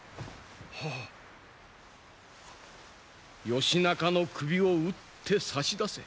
義仲の首を討って差し出せ。